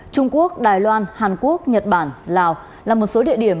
trung quốc đài loan hàn quốc nhật bản lào là một số địa điểm